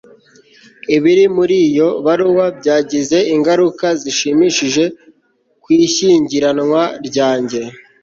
ibiri muri iyo baruwa byagize ingaruka zishimishije ku ishyingiranwa ryanjye